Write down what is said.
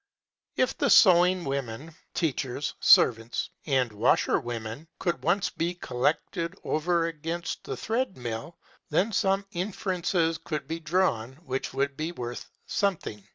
If the sewing women, teachers, servants, and washer women could once be collected over against the thread mill, then some inferences could be drawn which would be worth something.